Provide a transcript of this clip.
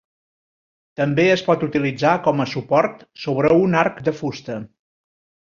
També es pot utilitzar com a suport sobre un arc de fusta.